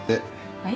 はい？